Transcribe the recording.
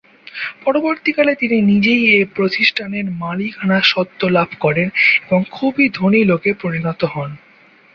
পরবর্তীকালে তিনি নিজেই এ প্রতিষ্ঠানের মালিকানা স্বত্ত্ব লাভ করেন এবং খুবই ধনী লোকে পরিণত হন।